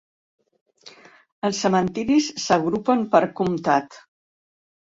Els cementiris s'agrupen per comtat.